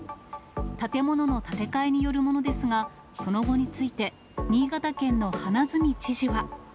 建物の建て替えによるものですが、その後について、新潟県の花角知事は。